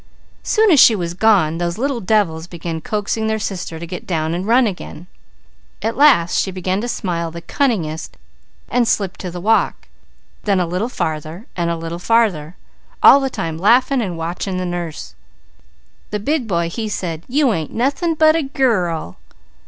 Soon as she was gone those little devils began coaxing their sister to get down and run again. At last she began to smile the cunningest and slipped to the walk, then a little farther, and a little farther, all the time laughing and watching the nurse. The big boy, he said: 'You ain't nothing but a _girl!